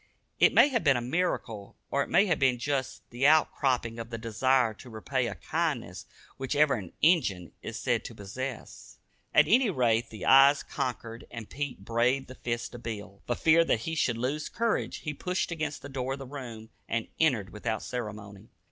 It may have been a miracle, or it may have been just the out cropping of the desire to repay a kindness which even an "Injun" is said to possess. At any rate the eyes conquered and Pete braved the fist of Bill. For fear that he should lose courage, he pushed against the door of the room, and entered without ceremony.